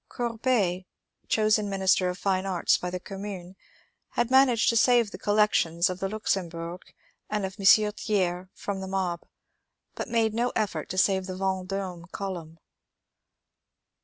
Courbet, chosen Minister of Fine Arts by the Commune, had managed to save the collections of the Luxembourg and of M. Thiers from the mob, but made no effort to save the Vendome column.